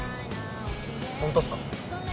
本当っすか？